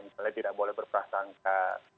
misalnya tidak boleh berprasangka